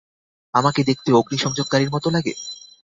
আমাকে দেখতে অগ্নিসংযোগকারীর মত লাগে?